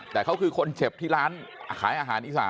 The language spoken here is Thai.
แต่เขาคือคนเจ็บที่ร้านขายอาหารอีสาน